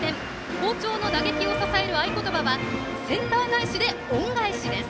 好調の打撃を支える合言葉は「センター返しで恩返し」です。